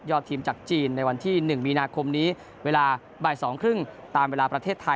ทีมจากจีนในวันที่๑มีนาคมนี้เวลาบ่าย๒๓๐ตามเวลาประเทศไทย